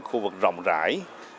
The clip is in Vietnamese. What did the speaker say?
khu vực rộng rãi